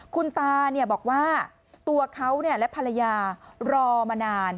คุณตาบอกว่าตัวเขาและภรรยารอมานาน